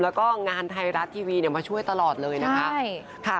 แล้วก็งานไทยรัฐทีวีมาช่วยตลอดเลยนะคะ